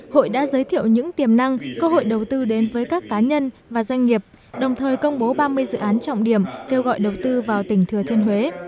hội đã giới thiệu những tiềm năng cơ hội đầu tư đến với các cá nhân và doanh nghiệp đồng thời công bố ba mươi dự án trọng điểm kêu gọi đầu tư vào tỉnh thừa thiên huế